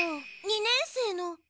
二年生の。